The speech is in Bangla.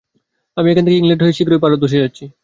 আমি এখান থেকে ইংলণ্ড হয়ে শীঘ্রই ভারতবর্ষে যাচ্ছি।